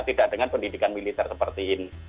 tidak dengan pendidikan militer seperti ini